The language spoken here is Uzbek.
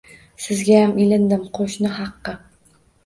Sizgayam ilindim, qoʻshni haqi!